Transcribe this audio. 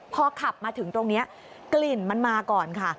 พอขับมาถึงตรงนี้กลิ่นมันมาก่อนค่ะ